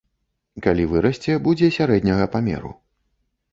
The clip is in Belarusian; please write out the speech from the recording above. Калі вырасце, будзе сярэдняга памеру.